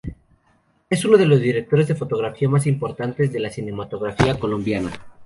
Es uno de los directores de fotografía más importantes de la cinematografía de Colombia.